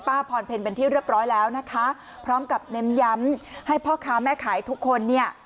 พรเพลเป็นที่เรียบร้อยแล้วนะคะพร้อมกับเน้นย้ำให้พ่อค้าแม่ขายทุกคนเนี่ย